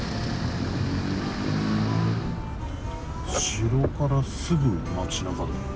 城からすぐ街なかだ。